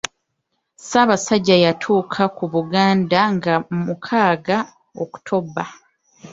Ssaabasajja yatuuka ku Buganda nga mukaaga October.